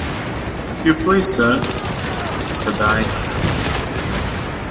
"If you please, sir," said I.